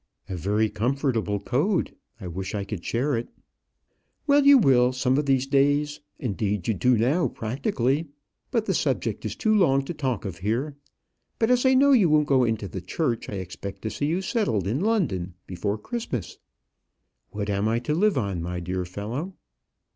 "A very comfortable code. I wish I could share it." "Well, you will some of these days; indeed, you do now practically. But the subject is too long to talk of here. But as I know you won't go into the church, I expect to see you settled in London before Christmas." "What am I to live on, my dear fellow?"